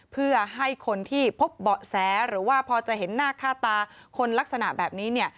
เพื่อให้คนที่พบเบาะแสหรือว่าพอจะเห็นหน้าค่าตาคนลักษณะแบบนี้เนี่ย